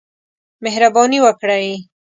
مهرباني وکړئ